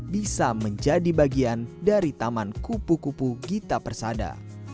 bisa menjadi bagian dari taman kupu kupu gita persada